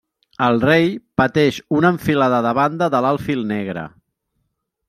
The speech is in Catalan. El rei pateix una enfilada de banda de l'alfil negre.